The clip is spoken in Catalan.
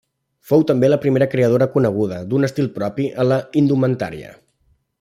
Fou també la primera creadora coneguda d’un estil propi en la indumentària.